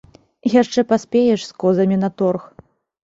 Яшчэ паспееш з козамі на торг!